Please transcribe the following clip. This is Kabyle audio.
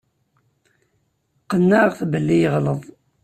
Qennɛeɣ-t belli yeɣleḍ.